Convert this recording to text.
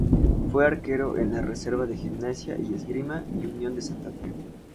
Fue arquero en la reserva de Gimnasia y Esgrima y Unión de Santa Fe.